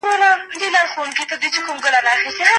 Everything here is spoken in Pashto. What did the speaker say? ګډ کار کولای سي لویې ستونزې حل کړي.